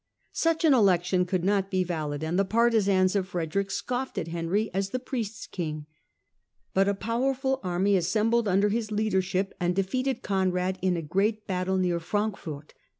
Such an election could not be valid, and the partisans of Frederick scoffed at Henry as the priest's king. But a powerful army assembled under his leadership and de ^ feated Conrad in a great battle near Frankfort.